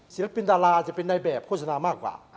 ศิลปินดาราอาจจะเป็นในแบบโฆษณามากกว่า